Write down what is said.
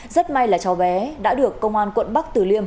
rất may là chó bé đã được công an quận bắc từ liêm